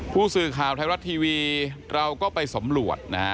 ผู้สื่อข่าวไทยรัฐทีวีเราก็ไปสำรวจนะฮะ